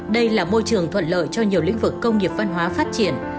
đây là môi trường thuận lợi cho nhiều lĩnh vực công nghiệp văn hóa phát triển